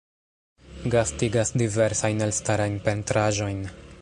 Gastigas diversajn elstarajn pentraĵojn.